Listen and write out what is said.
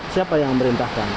siapa yang merintahkan